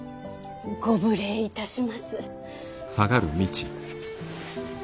ご無礼いたします。